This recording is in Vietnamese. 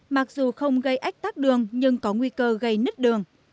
mặc dù không gây ách tắc đường nhưng có nguy cơ gây nứt đường